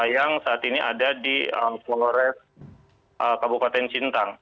yang saat ini ada di polores kabupaten cintang